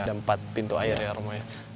dan empat pintu air ya romo ya